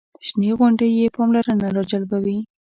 شنې غونډۍ یې پاملرنه راجلبوي.